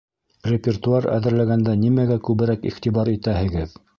— Репертуар әҙерләгәндә нимәгә күберәк иғтибар итәһегеҙ?